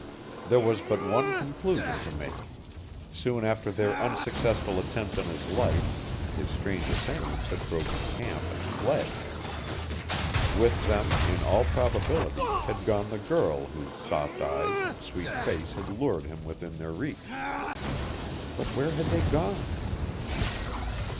There was but one conclusion to make; soon after their unsuccessful attempt on his life his strange assailants had broken camp and fled. With them, in all probability, had gone the girl whose soft eyes and sweet face had lured him within their reach. But where had they gone?